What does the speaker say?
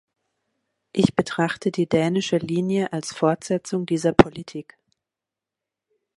Ich betrachte die dänische Linie als Fortsetzung dieser Politik.